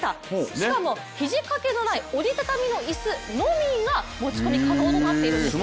しかも肘掛けのない折り畳みのイスのみが持ち込み可能となってるんですよ。